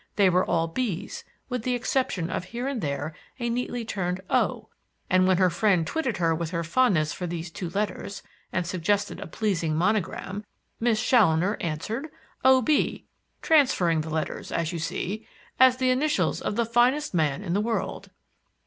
They were all B's with the exception of here and there a neatly turned O, and when her friend twitted her with her fondness for these two letters, and suggested a pleasing monogram, Miss Challoner answered, 'O. B. (transferring the letters, as you see) are the initials of the finest man in the world.